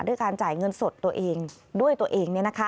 ด้วยการจ่ายเงินสดตัวเองด้วยตัวเอง